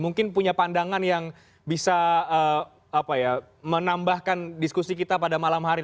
mungkin punya pandangan yang bisa menambahkan diskusi kita pada malam hari